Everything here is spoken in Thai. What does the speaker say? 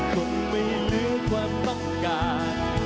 คงไม่ลืมความต้องการ